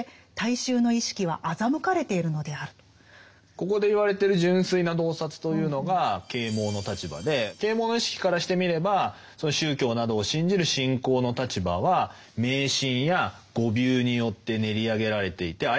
ここで言われてる「純粋な洞察」というのが啓蒙の立場で啓蒙の意識からしてみれば宗教などを信じる信仰の立場は迷信や誤謬によってねりあげられていてあやまった洞察に陥ってしまっている。